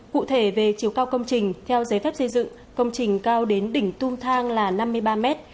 cụ thể về chiều cao công trình theo giấy phép xây dựng công trình cao đến đỉnh tung thang là năm mươi ba mét